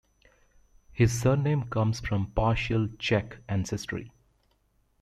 His surname comes from partial Czech ancestry.